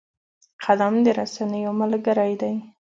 قلم د رسنیو ملګری دی